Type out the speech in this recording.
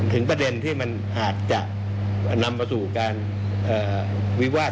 ประเด็นที่มันอาจจะนำมาสู่การวิวาส